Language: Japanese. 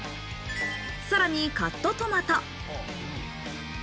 さらにカットトマト。